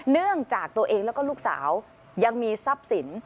เนื่องจากตัวเองแล้วก็ลูกสาวยังมีทรัพย์สิน